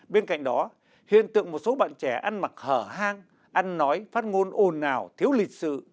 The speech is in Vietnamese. bên cạnh đó hiện tượng một số bạn trẻ ăn mặc hở hang ăn nói phát ngôn ồn ào thiếu lịch sự